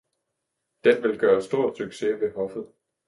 den vil gøre en stor succes ved hoffet!